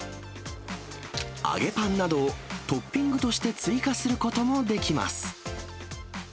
揚げパンなど、トッピングとして追加することもできます。